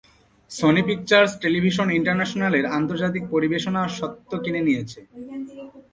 Sony Pictures Television International এর আন্তর্জাতিক পরিবেশনা স্বত্ত্ব কিনে নিয়েছে।